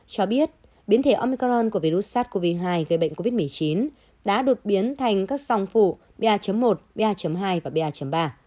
cho biết biến thể omican của virus sars cov hai gây bệnh covid một mươi chín đã đột biến thành các song phụ ba một ba hai và ba ba